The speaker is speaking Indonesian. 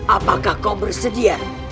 apakah kau bersedia